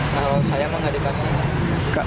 kalau saya mah nggak dikasih